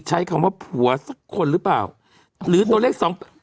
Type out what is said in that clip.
ใช้คำว่าผัวสักคนหรือเปล่าหรือตัวเลขสอง